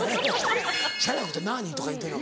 写楽ってなに？とか言うてんの。